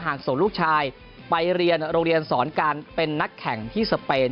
ส่งลูกชายไปเรียนโรงเรียนสอนการเป็นนักแข่งที่สเปน